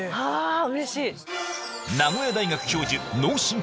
うれしい！